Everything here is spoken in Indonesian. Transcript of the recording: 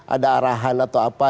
ada arahan atau apa